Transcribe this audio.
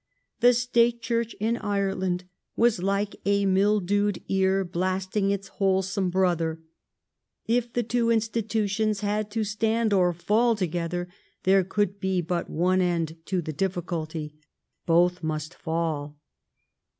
The State Church in Ireland was like a mildewed ear blasting its wholesome brother. If the two institutions had to stand or fall together, there could be but one end to the difficulty: both must fall.''